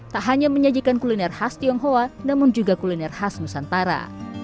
tak hanya menyajikan kuliner khas tionghoa namun juga kuliner khas nusantara